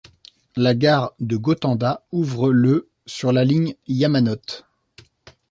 La gare de Gotanda ouvre le sur la ligne Yamanote.